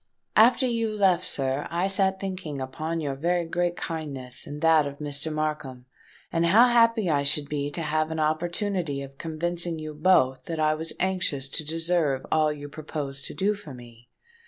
"After you left, sir, I sate thinking upon your very great kindness and that of Mr. Markham, and how happy I should be to have an opportunity of convincing you both that I was anxious to deserve all you proposed to do for me.